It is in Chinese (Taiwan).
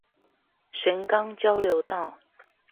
神岡交流道